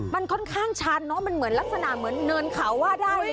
มันค่อนข้างชันเนอะมันเหมือนลักษณะเหมือนเนินเขาว่าได้